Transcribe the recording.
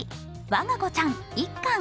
「わが子ちゃん１巻」。